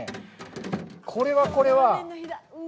これはこれは。